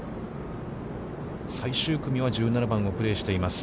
最終組は１７番をプレーしています。